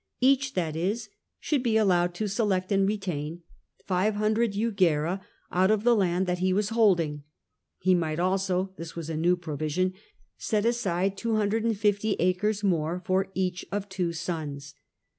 Bach, that is, should be allowed to select and retain SCmd jugera out of the land that he was holding; he might also (this was a new provision) set aside 250 acres more for each of two sons.